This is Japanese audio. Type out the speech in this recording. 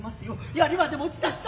槍まで持出した。